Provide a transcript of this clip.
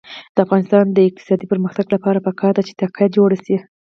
د افغانستان د اقتصادي پرمختګ لپاره پکار ده چې تکه جوړه شي.